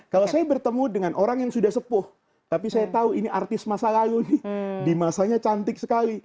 kalau saya bertemu dengan orang yang sudah sepuh tapi saya tahu ini artis masa lalu nih di masanya cantik sekali